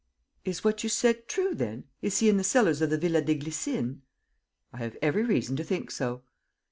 "Is what you said true, then? Is he in the cellars of the Villa des Glycines?" "I have every reason to think so."